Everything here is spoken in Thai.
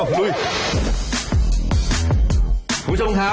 สวัสดีครับ